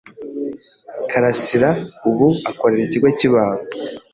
karasira ubu akorera ikigo cyibanga.